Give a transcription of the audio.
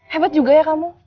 hebat juga ya kamu